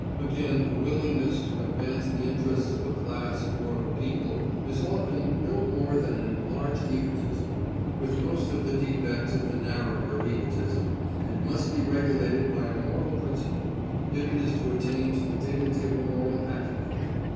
Again, a willingness to advance the interests of a class or of a people is often no more than an enlarged egotism, with most of the defects of the narrower egotism, and must be regulated by a moral principle, if it is to attain to the dignity of a moral attribute.